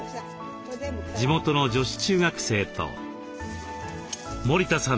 地元の女子中学生と森田さんの友人です。